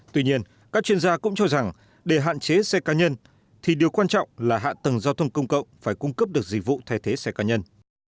tuy nhiên các chuyên gia cũng cho rằng để hạn chế xe cá nhân thì điều quan trọng là hạ tầng giao thông công cộng phải cung cấp được dịch vụ thay thế xe cá nhân